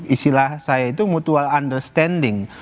istilah saya itu mutual understanding